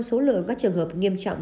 số lượng các trường hợp nghiêm trọng